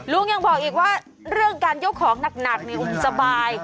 ลุงยังบอกอีกว่าเรื่องการยกของหนักนี่อุ้มสบาย